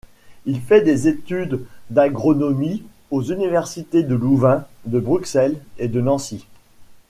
Il fait des études d’agronomie aux universités de Louvain, de Bruxelles et de Nancy.